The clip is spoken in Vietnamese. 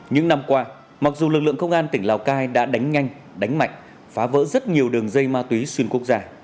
những năm qua mặc dù lực lượng công an tỉnh lào cai đã đánh nhanh đánh mạnh phá vỡ rất nhiều đường dây ma túy xuyên quốc gia